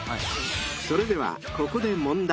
［それではここで］